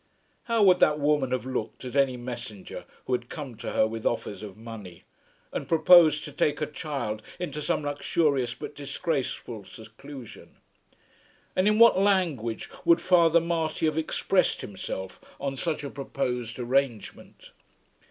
How would that woman have looked at any messenger who had come to her with offers of money, and proposed to take her child into some luxurious but disgraceful seclusion? And in what language would Father Marty have expressed himself on such a proposed arrangement?